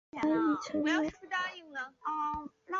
他亦曾外流希腊加盟伊安尼高斯取得一定的成绩。